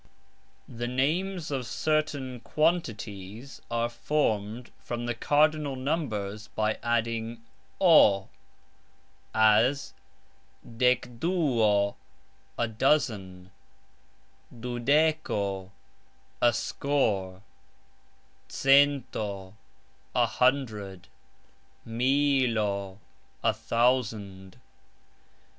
The names of certain quantities are formed from the cardinal numbers by adding "o", as "dekduo", a dozen; "dudeko", a score; "cento", a hundred; "milo", a thousand.